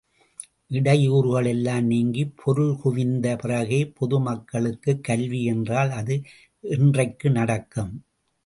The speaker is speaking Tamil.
இடையூறுகளெல்லாம் நீங்கி, பொருள் குவிந்த பிறகே, பொது மக்களுக்குக் கல்வி என்றால் அது என்றைக்கு நடக்கும்?